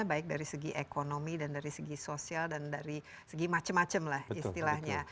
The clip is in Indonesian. baik dari segi ekonomi dan dari segi sosial dan dari segi macam macam lah istilahnya